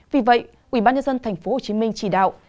vì vậy ubnd tp hcm chỉ đạo